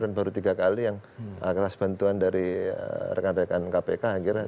dan baru tiga kali yang kelas bantuan dari rekan rekan kpk akhirnya